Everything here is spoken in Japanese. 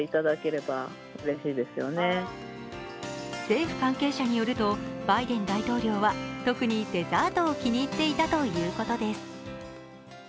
政府関係者によると、バイデン大統領は特にデザートを気に入っていたということです。